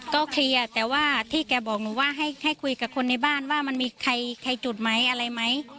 ก็เคลียร์แต่ว่าที่แกบอกหนูว่าให้คุยกับคนในบ้านว่ามันมีใครจุดไหมอะไรไหม